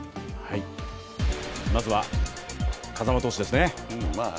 まずは風間投手ですね。